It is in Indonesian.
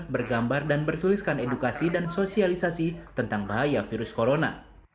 bergambar dan bertuliskan edukasi dan sosialisasi tentang bahaya virus corona